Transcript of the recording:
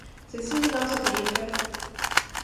C'est si vilain ce que je fais!